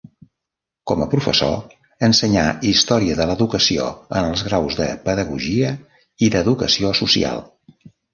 Com a professor, ensenyà Història de l'Educació en els graus de Pedagogia i d'Educació social.